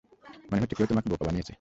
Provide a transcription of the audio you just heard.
মনে হচ্ছে কেউ তোমাকে বোকা বানিয়েছে!